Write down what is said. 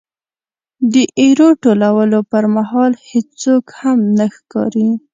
د ایرو ټولولو پرمهال هېڅوک هم نه ښکاري.